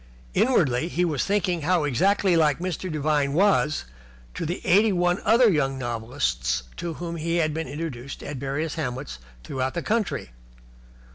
Inwardly he was thinking how exactly like Mr. Devine was to the eighty one other younger novelists to whom he had been introduced at various hamlets throughout the country.